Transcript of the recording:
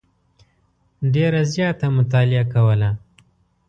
ډېره زیاته مطالعه کوله.